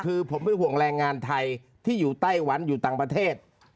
คือผมเป็นห่วงแรงงานไทยที่อยู่ไต้หวันอยู่ต่างประเทศ